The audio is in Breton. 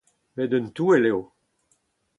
Met un touell eo.